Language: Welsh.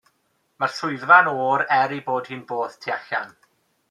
Mae'r swyddfa'n oer er 'i bod hi'n boeth tu allan.